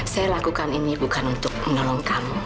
saya lakukan ini bukan untuk menolong kamu